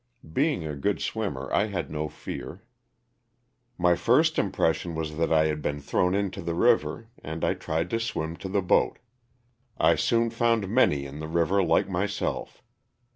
Being a good swimmer I had no fear. My first im pression was that I had been thrown into the river and I tried to swim to the boat. I soon found many in the river like myself.